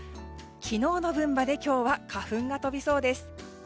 昨日の分まで今日は花粉が飛びそうです。